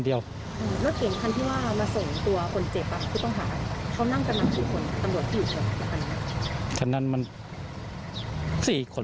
ที่มาส่งตัวคนเจ็บปกติต้องหาเขานั่งกระนับบุคคล